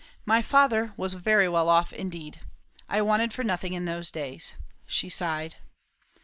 My father was very well off indeed. I wanted for nothing in those days." She sighed.